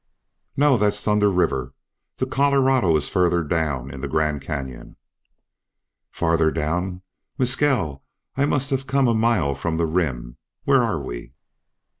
"No, that's Thunder River. The Colorado is farther down in the Grand Canyon." "Farther down! Mescal, I must have come a mile from the rim. Where are we?"